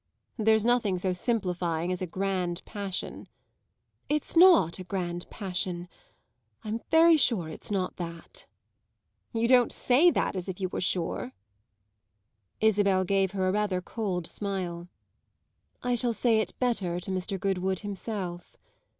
"There's nothing so simplifying as a grand passion." "It's not a grand passion; I'm very sure it's not that." "You don't say that as if you were sure." Isabel gave rather a cold smile. "I shall say it better to Mr. Goodwood himself."